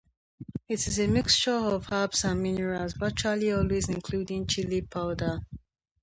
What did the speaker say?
It is a mixture of herbs and minerals, virtually always including chilli powder.